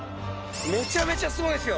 めちゃめちゃすごいっすよ。